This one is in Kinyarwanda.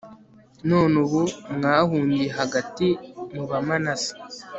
none ubu mwahungiye hagati mu bamanase